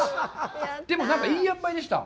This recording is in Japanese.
でも、なんかいいあんばいでした。